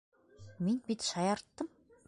Мин бит шаярттым.